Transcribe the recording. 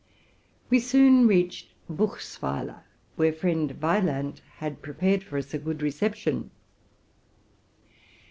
We soon reached Buchsweiler, where friend W eyland had prepared for us a good reception.